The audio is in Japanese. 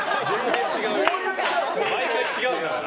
毎回違うんだから。